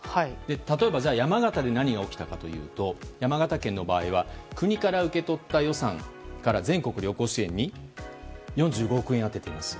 例えば山形で何が起きたかというと山形県の場合は国から受け取った予算から全国旅行支援に４５億円を充てています。